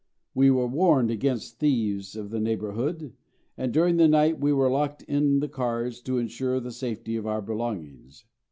We were warned against thieves of the neighbourhood, and, during the night we were locked in the cars to ensure the safety of our belongings.